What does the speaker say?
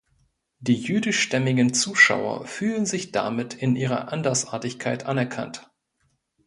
Die jüdischstämmigen Zuschauer fühlen sich damit in ihrer Andersartigkeit anerkannt.